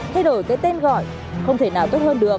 thay đổi cái tên gọi không thể nào tốt hơn được